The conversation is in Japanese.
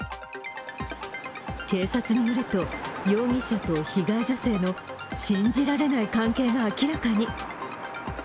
警察によると、容疑者と被害女性の信じられない関係が明らかに。